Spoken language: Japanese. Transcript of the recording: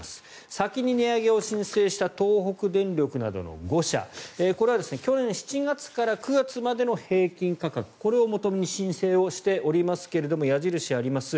先に値上げを申請した東北電力などの５社これは去年７月から９月までの平均価格これをもとに申請をしておりますが矢印があります